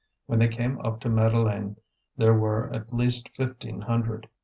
When they came up to Madeleine there were at least fifteen hundred.